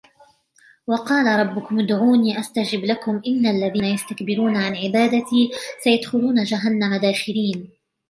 وَقَالَ رَبُّكُمُ ادْعُونِي أَسْتَجِبْ لَكُمْ إِنَّ الَّذِينَ يَسْتَكْبِرُونَ عَنْ عِبَادَتِي سَيَدْخُلُونَ جَهَنَّمَ دَاخِرِينَ